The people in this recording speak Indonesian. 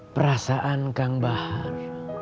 perasaan kang bahar